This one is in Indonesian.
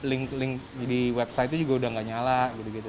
link link di website itu juga udah nggak nyala gitu